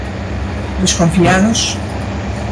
¿Desconfiados?